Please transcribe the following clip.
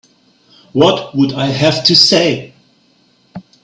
What would I have to say?